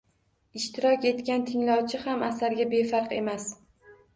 Ishtirok etgan tinglovchi ham asarga befarq emas.